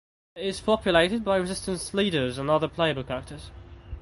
It is populated by Resistance Leaders and other playable characters.